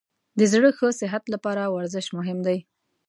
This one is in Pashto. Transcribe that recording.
د زړه ښه صحت لپاره ورزش مهم دی.